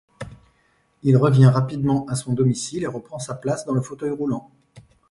Il revient rapidement à son domicile et reprend sa place dans le fauteuil roulant.